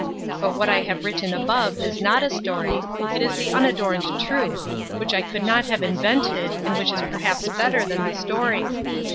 But what I have written above is not a story, it is the unadorned truth, which I could not have invented and which is perhaps better than the story.